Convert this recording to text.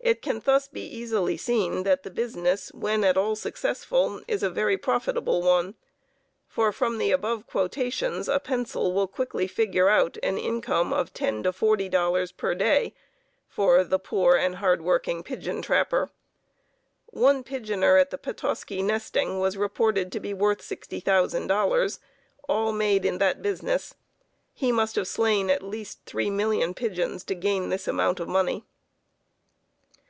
It can thus be easily seen that the business, when at all successful, is a very profitable one, for from the above quotations a pencil will quickly figure out an income of $10 to $40 per day for the "poor and hard working pigeon trapper." One "pigeoner" at the Petoskey nesting was reported to be worth $60,000, all made in that business. He must have slain at least three million pigeons to gain this amount of money.